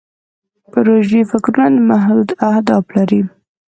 پروژوي فکرونه محدود اهداف لري.